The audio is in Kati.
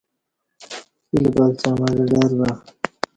فیل پکچہ مڑہ ڈر بہ